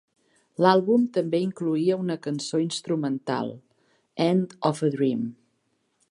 L'àlbum també incloïa una cançó instrumental, "End Of A Dream".